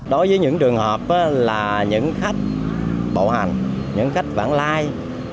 đối với những trường hợp là những khách bộ hành những khách vãn lai